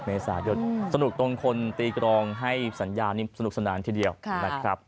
เมษายนสนุกตรงคนตีกรองให้สัญญานี้สนุกสนานทีเดียวนะครับ